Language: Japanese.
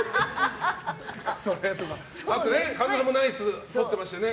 あと、神田さんもナイスとってましたよね。